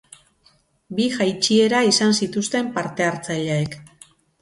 Bi jaitsiera izan zituzten parte hartzaileek.